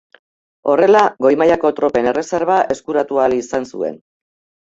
Horrela, goi mailako tropen erreserba eskuratu ahal izan zuen.